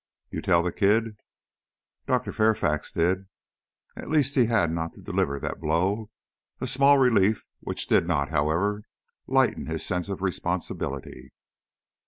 "You tell the kid?" "Dr. Fairfax did." At least he had not had to deliver that blow, a small relief which did not, however, lighten his sense of responsibility.